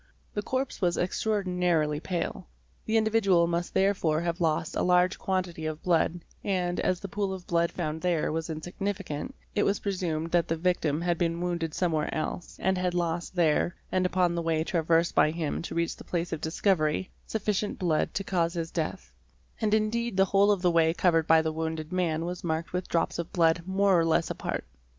'The corpse was extraordinarily | 71 562 TRACES OF BLOOD pale; the individual must therefore have lost a large quantity of blood, and, as the pool of blood found there was insignificant, it was presumed that the victim had been wounded somewhere else and had lost there, and upon the way traversed by him to reach the place of discovery, sufficient blood to cause his death; and indeed the whole of the way covered by the wounded man was marked with drops of blood more or less apart.